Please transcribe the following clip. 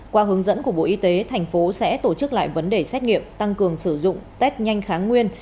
qua hướng dẫn của bộ y tế thành phố sẽ tổ chức lại vấn đề xét nghiệm tăng cường sử dụng test nhanh kháng nguyên